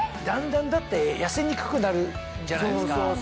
だんだんだって痩せにくくなるじゃないですか